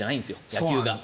野球が。